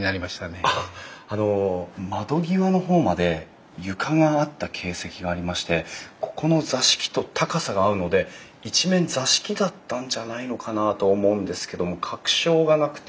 あの窓際の方まで床があった形跡がありましてここの座敷と高さが合うので一面座敷だったんじゃないのかなと思うんですけども確証がなくて。